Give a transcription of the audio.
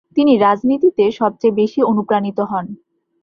তিনি রাজনীতিতে সবচেয়ে বেশি অনুপ্রানিত হন।